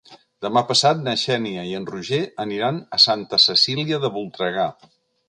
Demà passat na Xènia i en Roger aniran a Santa Cecília de Voltregà.